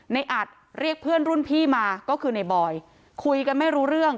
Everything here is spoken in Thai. ในอัดเรียกเพื่อนรุ่นพี่มาก็คือในบอยคุยกันไม่รู้เรื่อง